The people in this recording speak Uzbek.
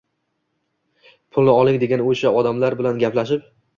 pulni oling degan o‘sha odamlar bilan gaplashib